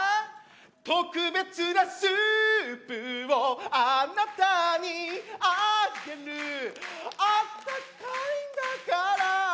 「特別なスープをあなたにあげる」「あったかいんだからぁ」